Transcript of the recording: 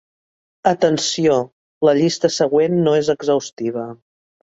Atenció: La llista següent no és exhaustiva.